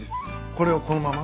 これをこのまま？